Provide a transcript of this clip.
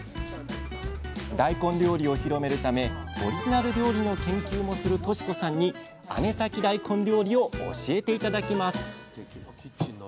大根料理を広めるためオリジナル料理の研究もする淑子さんに姉崎だいこん料理を教えて頂きます。